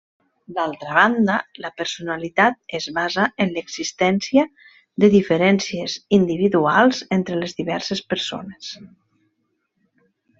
D'altra banda, la personalitat es basa en l'existència de diferències individuals entre les diverses persones.